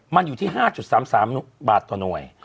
มันอยู่ที่๕๓๓บาทต่อหน่วย